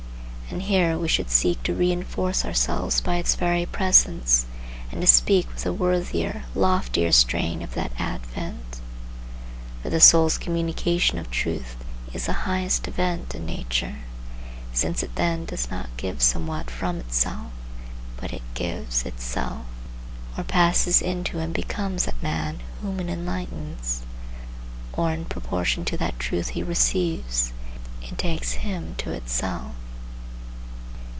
And here we should seek to reinforce ourselves by its very presence, and to speak with a worthier, loftier strain of that advent. For the soul's communication of truth is the highest event in nature, since it then does not give somewhat from itself, but it gives itself, or passes into and becomes that man whom it enlightens; or, in proportion to that truth he receives, it takes him to itself.